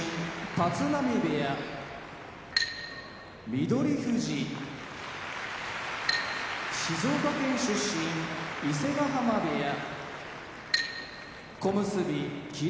立浪部屋翠富士静岡県出身伊勢ヶ濱部屋小結・霧